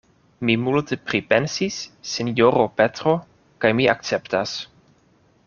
Mi multe pripensis, sinjoro Petro; kaj mi akceptas.